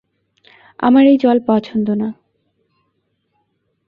আমার এই জল পছন্দ না।